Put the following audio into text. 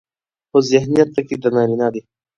خو ذهنيت پکې د نارينه دى